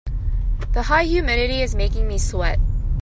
The high humidity is making me sweat.